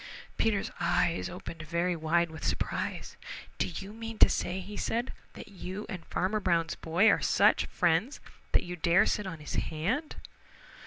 Peter's eyes opened very wide with surprise. "Do you mean to say," said he, "that you and Farmer Brown's boy are such friends that you dare sit on his hand?"